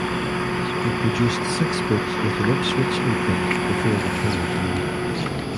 He produced six books with an Ipswich imprint before returning to London.